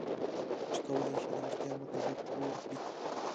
چې کولی شي د اړتیا مطابق اوبه ورکړي.